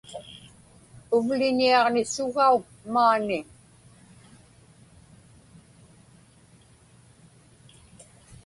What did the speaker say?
Uvliñiaġnisugauk maani.